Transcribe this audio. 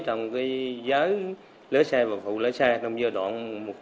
trong giới lễ xe và phụ lễ xe trong giai đoạn hai nghìn một mươi sáu hai nghìn hai mươi một